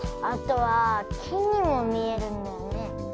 あとはきにもみえるんだよね。